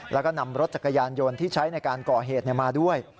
แล้วก็นำรถจักรยานยนต์ที่ใช้ในการก่อเหตุมาด้วย